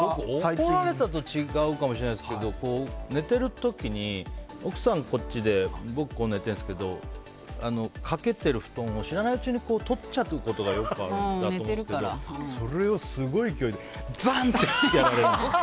僕は怒られたとは違うかもしれないですけど寝てる時に奥さんがこっちで僕、寝てるんですけどかけている布団を知らない間に取っちゃうことがあってそれをすごい勢いでザン！とやられました。